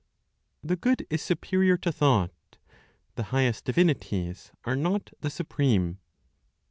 THE GOOD IS SUPERIOR TO THOUGHT; THE HIGHEST DIVINITIES ARE NOT THE SUPREME.